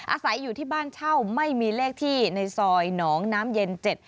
อาศัยอยู่ที่บ้านเช่าไม่มีเลขที่ในซอยหนองน้ำเย็น๗